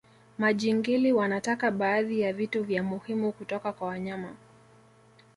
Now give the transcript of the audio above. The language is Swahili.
majingili wanataka baadhi ya vitu vya muhimu kutoka kwa wanyama